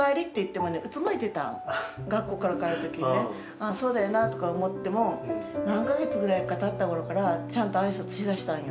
「ああそうだよな」とか思っても何か月ぐらいかたった頃からちゃんと挨拶しだしたんよ。